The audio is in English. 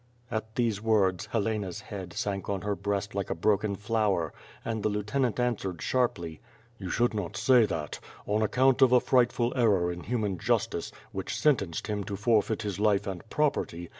At these words, Helena's head sank on her breast like a broken flower, and the lieutenant answered sharply: "You should not say that. On account of a frightful error in human justice, which sentenced him to forfeit his life and property.